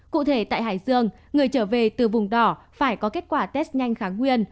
cụ thể tại hải dương người trở về từ vùng đỏ phải có kết quả test nhanh kháng nguyên